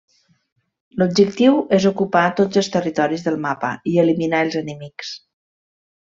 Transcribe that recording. L'objectiu és ocupar tots els territoris del mapa i eliminar els enemics.